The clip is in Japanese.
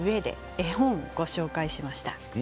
絵本をご紹介しました。